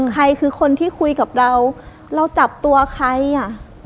ใครคือคนที่คุยกับเราเราจับตัวใครอ่ะ